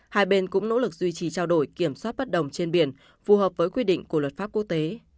hai bên cũng nỗ lực duy trì trao đổi kiểm soát bất đồng trên biển phù hợp với quy định của luật pháp quốc tế